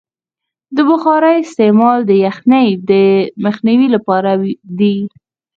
د بخارۍ استعمال د یخنۍ د مخنیوي لپاره دی.